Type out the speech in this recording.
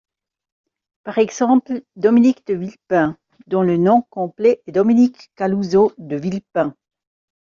Par exemple, Dominique de Villepin, dont le nom complet est Dominique Galouzeau de Villepin.